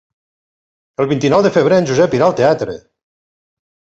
El vint-i-nou de febrer en Josep irà al teatre.